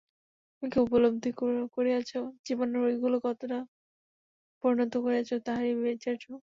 তুমি কী উপলব্ধি করিয়াছ, জীবনে ঐগুলি কতটা পরিণত করিয়াছ, তাহাই বিচার্য।